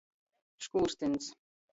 Škūrstyns.